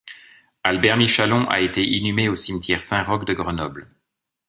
Albert Michallon a été inhumé au cimetière Saint-Roch de Grenoble.